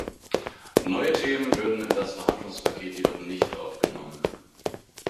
Neue Themen würden in das Verhandlungspaket jedoch nicht aufgenommen.